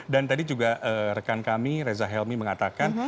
dan tadi juga rekan kami reza helmi mengatakan